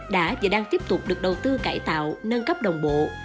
đã và đang tiếp tục được đầu tư cải tạo nâng cấp đồng bộ